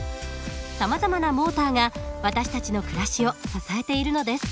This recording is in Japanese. さまざまなモーターが私たちの暮らしを支えているのです。